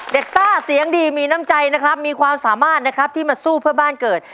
ซ่าเสียงดีมีน้ำใจนะครับมีความสามารถนะครับที่มาสู้เพื่อบ้านเกิด